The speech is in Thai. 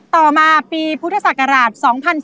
ต่อมาปีพุทธศักราช๒๔